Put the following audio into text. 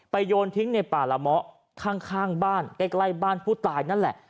โยนทิ้งในป่าละเมาะข้างบ้านใกล้บ้านผู้ตายนั่นแหละ